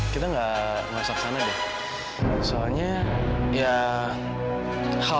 kita ke rumah kamu yuk